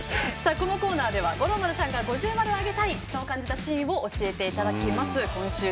このコーナーでは五郎丸さんが五重丸をあげたいそう感じたシーンを教えていただきます。